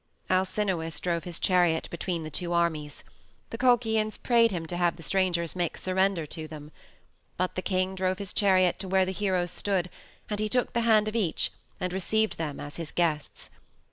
Alcinous drove his chariot between the two armies. The Colchians prayed him to have the strangers make surrender to them. But the king drove his chariot to where the heroes stood, and he took the hand of each, and received them as his guests.